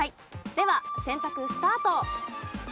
では選択スタート。